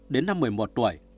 đến năm một mươi một tuổi